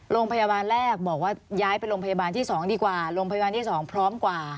โรงพยาบาลแรกบอกว่าย้ายไปโรงพยาบาลที่๒ดีกว่าโรงพยาบาลที่๒พร้อมกว่า